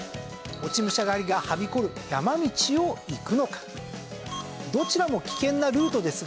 落武者狩りがはびこる山道を行く。